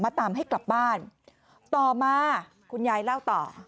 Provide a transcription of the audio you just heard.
ตามให้กลับบ้านต่อมาคุณยายเล่าต่อ